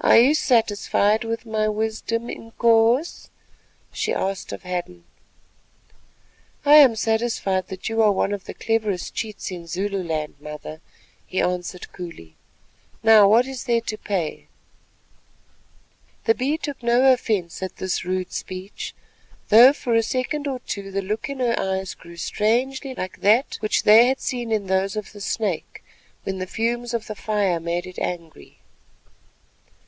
"Are you satisfied with my wisdom, Inkoos?" she asked of Hadden. "I am satisfied that you are one of the cleverest cheats in Zululand, mother," he answered coolly. "Now, what is there to pay?" The Bee took no offence at this rude speech, though for a second or two the look in her eyes grew strangely like that which they had seen in those of the snake when the fumes of the fire made it angry.